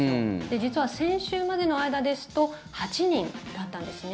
実は、先週までの間ですと８人だったんですね。